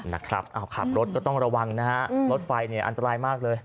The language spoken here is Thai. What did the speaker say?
นะครับขับรถก็ต้องระวังนะฮะรถไฟเนี่ยอันตรายมากเลย